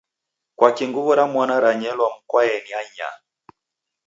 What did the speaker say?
Kwakii nguw'o ra mwana ranyelwa mukoaeni ainyaa?